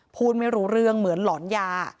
พูดไม่รู้เรื่องเหมือนหลอนยา